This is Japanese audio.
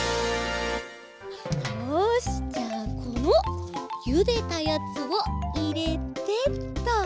よしじゃあこのゆでたやつをいれてっと。